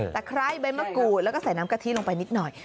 ไคร้ใบมะกรูดแล้วก็ใส่น้ำกะทิลงไปนิดหน่อย